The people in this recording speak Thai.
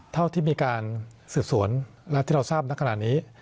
เท่าที่มีการสืบสวนที่เราทราบนักขณะนี้